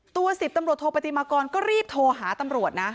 ๑๐ตำรวจโทปฏิมากรก็รีบโทรหาตำรวจนะ